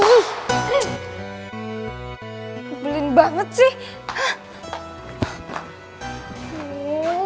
kebelin banget sih